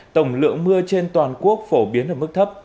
tổng lượng mưa trên toàn quốc phổ biến ở mức thấp